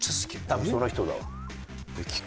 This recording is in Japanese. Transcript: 多分その人だわ。